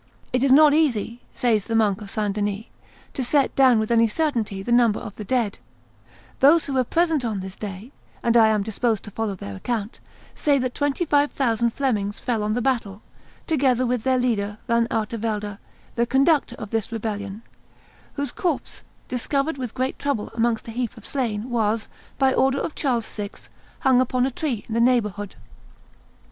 "It is not easy," says the monk of St. Denis, "to set down with any certainty the number of the dead; those who were present on this day, and I am disposed to follow their account, say that twenty five thousand Flemings fell on the field, together with their leader, Van Artevelde, the concoctor of this rebellion, whose corpse, discovered with great trouble amongst a heap of slain, was, by order of Charles VI., hung upon a tree in the neighborhood.